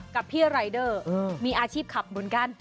กับพี่รายเดอร์มีอาชีพขับเหมือนกัน